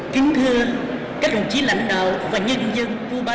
kính thưa các đồng chí lãnh đạo và nhân dân cuba